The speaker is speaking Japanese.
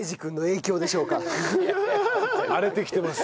荒れてきてます。